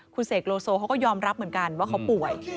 คุณเสกโลโซเขาก็ยอมรับเหมือนกันว่าเขาป่วย